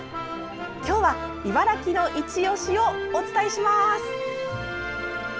今日は茨城のいちオシをお伝えします。